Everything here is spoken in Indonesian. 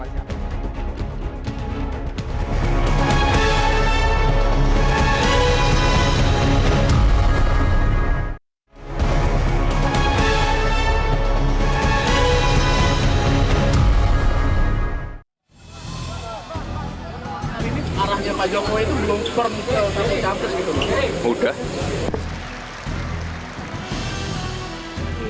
hari ini arahnya pak jokowi itu belum form keutama keutama sudah